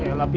eh lah v